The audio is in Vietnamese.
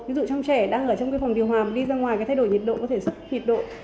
ví dụ trong trẻ đang ở trong phòng điều hòa đi ra ngoài thay đổi nhiệt độ có thể sốc nhiệt độ